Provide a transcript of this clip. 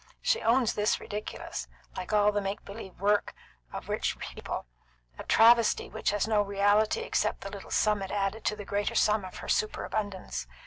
She owns this ridiculous, like all the make believe work of rich people; a travesty which has no reality except the little sum it added to the greater sum of her superabundance.